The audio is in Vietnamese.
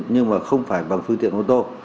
nhưng mà không phải bằng phương tiện ô tô